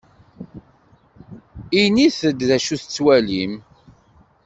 Init-d d acu tettwalim.